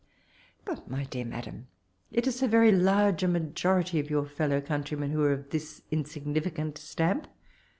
*'But, my dear madam, it is so very large a majority of your feUow country men that are of this insignificant stamp.